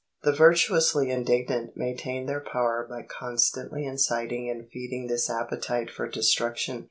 The virtuously indignant maintain their power by constantly inciting and feeding this appetite for destruction.